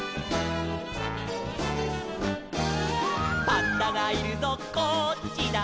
「パンダがいるぞこっちだ」